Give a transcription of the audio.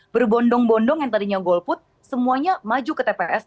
berbondong bondong yang tadinya golput semuanya maju ke tps